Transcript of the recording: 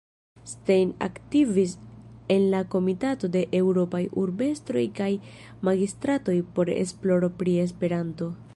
Stein aktivis en la Komitato de eŭropaj urbestroj kaj magistratoj por esploro pri Esperanto.